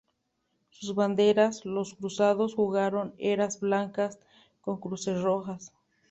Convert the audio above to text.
Sus banderas, los cruzados jugaron, eran blancas con cruces rojas.